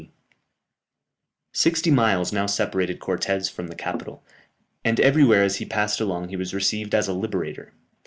] Sixty miles now separated Cortès from the capital, and everywhere as he passed along he was received as a liberator.